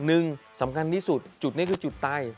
หนึ่งสำคัญที่สุดจุดนี้คือจุดตาย